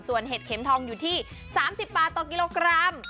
ส่วนเห็ดเข็มทองอยู่ที่๓๐บาทต่อกิโลกรัม